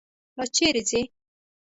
دا چیرې ځي.